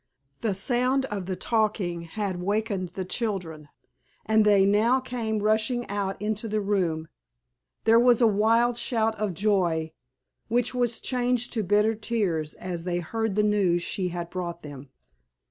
The sound of the talking had wakened the children, and they now came rushing out into the room; there was a wild shout of joy, which was changed to bitter tears as they heard the news she had brought them.